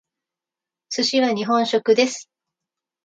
寿司は日本食です。